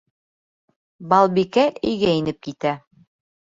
Балбикә өйгә инеп китә.